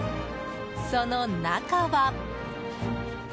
その中は。